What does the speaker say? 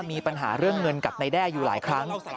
มีปัญหาเรื่องเงินกับนายแด้อยู่หลายครั้ง